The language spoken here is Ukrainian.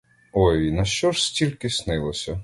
Ой, нащо ж тільки снилося?